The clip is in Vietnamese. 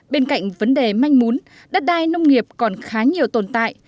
bên cạnh vấn đề manh mún đất đai nông nghiệp còn khá nhiều tồn tại